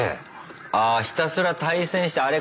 あひたすら対戦してあれ？